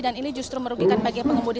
dan ini justru merugikan bagi pengemudi